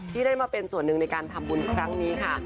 ที่ได้มาเป็นส่วนหนึ่งในการทำบุญครั้งนี้ค่ะ